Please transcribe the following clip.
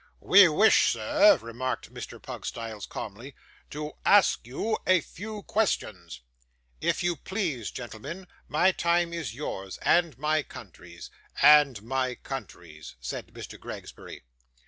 'We wish, sir,' remarked Mr. Pugstyles, calmly, 'to ask you a few questions.' 'If you please, gentlemen; my time is yours and my country's and my country's ' said Mr. Gregsbury.